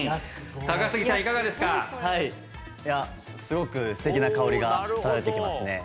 すごくすてきな香りが漂って来ますね。